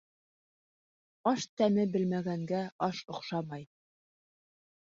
Аш тәме белмәгәнгә аш оҡшамай.